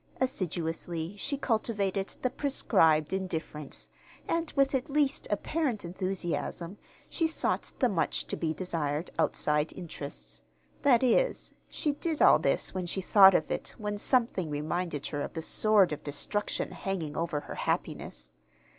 Assiduously she cultivated the prescribed "indifference," and with at least apparent enthusiasm she sought the much to be desired "outside interests." That is, she did all this when she thought of it when something reminded her of the sword of destruction hanging over her happiness.